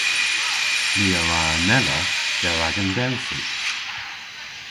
Ni a wra anella der agan dewfrik.